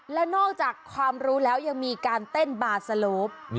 และนอกจากความรู้แล้วยังมีการเต้นบาร์สโลป